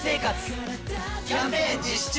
キャンペーン実施中！